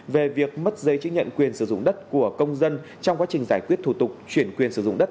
về việc mất giấy chứng nhận quyền sử dụng đất của công dân trong quá trình giải quyết thủ tục chuyển quyền sử dụng đất